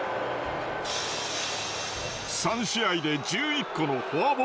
３試合で１１個のフォアボール。